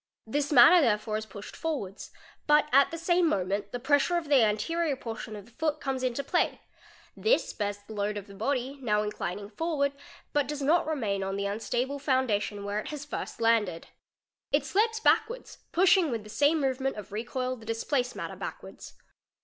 This matter therefore i is pushed forwards. But at the same moment the pressure of ei) fs 510 FOOTPRINTS the anterior portion of the foot comes into play; this bears the load — of the body, now inclining forward, but does not remain on the un stable foundation where it has first landed. It slips backwards, pushing : with the same movement of recoil the displaced matter backwards.